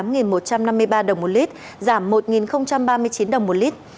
giảm một trăm năm mươi ba đồng một lít giảm một ba mươi chín đồng một lít